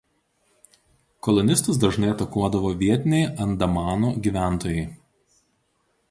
Kolonistus dažnai atakuodavo vietiniai Andamanų gyventojai.